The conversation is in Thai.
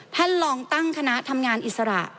ท่านลองตั้งคณะทำงานอิสระ